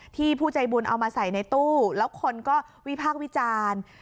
ผู้ใจบุญเอามาใส่ในตู้แล้วคนก็วิพากษ์วิจารณ์